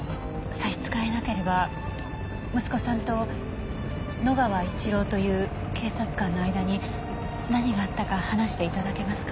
差し支えなければ息子さんと野川一郎という警察官の間に何があったか話して頂けますか？